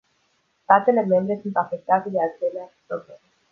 Statele membre sunt afectate de aceleași probleme.